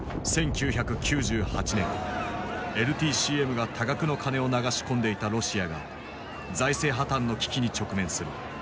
１９９８年ＬＴＣＭが多額の金を流し込んでいたロシアが財政破綻の危機に直面する。